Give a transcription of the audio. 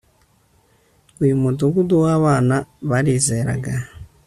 Uyu mudugudu wabana barizeraga